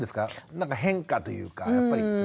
なんか変化というかやっぱりそれは。